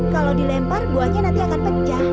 kalau dilempar buahnya nanti akan pecah